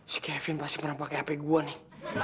si kevin pasti pernah pake hp gua nih